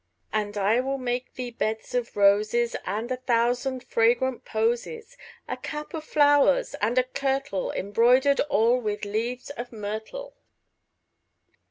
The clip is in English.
And I will make thee beds of roses And a thousand fragrant posies; 10 A cap of flowers, and a kirtle Embroider'd all with leaves of myrtle.